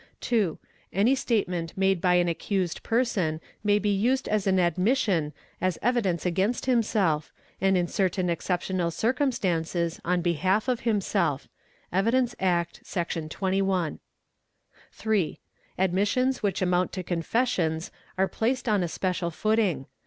_ 2. Any statement made by an accused person may be used as an F dimission"' as evidence against himself, and in certain exceptional cir cumstances on behalf of himself (Evidence Act, Sec. 21). 3. Admissions which amount to confessions are placed on a special footing.